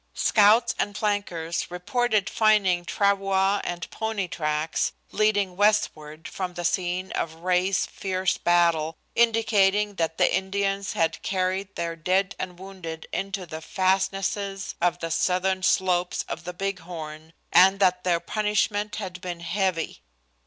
Scouts and flankers reported finding travois and pony tracks leading westward from the scene of Ray's fierce battle, indicating that the Indians had carried their dead and wounded into the fastnesses of the southern slopes of the Big Horn, and that their punishment had been heavy.